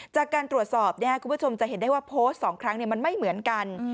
จากการตรวจสอบคุณผู้ชมจะเห็นได้ว่าโพสต์๒ครั้งมันไม่เหมือนกัน